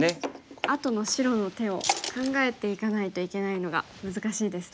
あとの白の手を考えていかないといけないのが難しいですね。